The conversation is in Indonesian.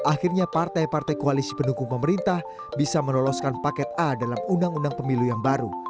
akhirnya partai partai koalisi pendukung pemerintah bisa menoloskan paket a dalam undang undang pemilu yang baru